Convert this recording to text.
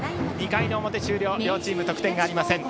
２回の表、終了両チーム得点がありません。